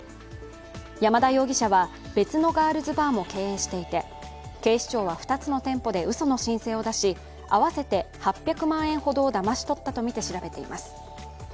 山田容疑者は、別のガールズバーも経営していて警視庁は２つの店舗でうその申請を出し、合わせて８００万円ほどをだまし取ったとみて調べています。